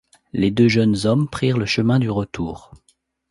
Les deux jeunes hommes prirent le chemin du retour.